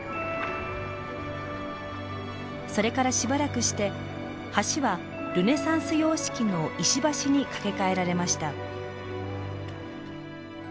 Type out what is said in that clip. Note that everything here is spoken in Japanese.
それからしばらくして橋はルネサンス様式の石橋に架け替えられました。